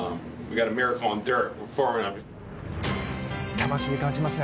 魂、感じますね。